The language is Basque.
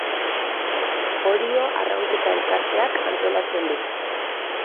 Orio Arraunketa Elkarteak antolatzen du.